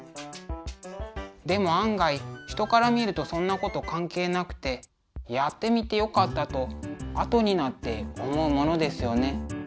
でも案外人から見るとそんなこと関係なくてやってみてよかったとあとになって思うものですよね。